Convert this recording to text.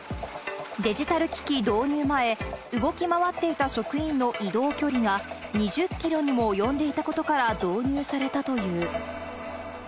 デジタル機器導入前、動き回っていた職員の移動距離が２０キロにも及んでいたことから導入されたという。